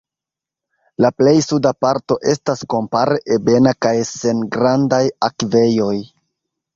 La plej suda parto estas kompare ebena kaj sen grandaj akvejoj.